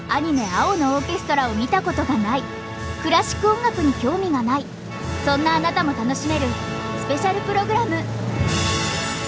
「青のオーケストラ」を見たことがないクラシック音楽に興味がないそんなあなたも楽しめるスペシャルプログラム。